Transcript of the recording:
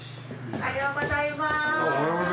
おはようございます。